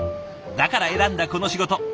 だから選んだこの仕事。